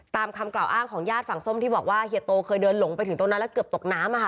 ตามคำกล่าวอ้างของญาติฝั่งส้มที่บอกว่าเฮียโตเคยเดินหลงไปถึงตรงนั้นแล้วเกือบตกน้ำอะค่ะ